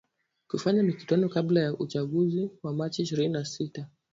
kufanya mikutano kabla ya uchaguzi wa machi ishirini na sita